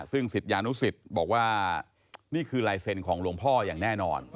ซึ่งศิษยานุสิตบอกว่านี่คือลายเซ็นต์ของหลวงพ่ออย่างแน่นอน